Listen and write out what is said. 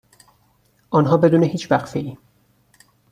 آنها بدون هیچ وقفهای